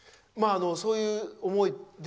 そういう思いで。